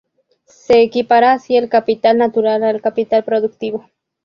Se equipara así el capital natural al capital productivo.